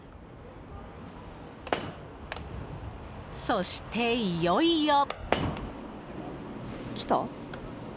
そして、いよいよ。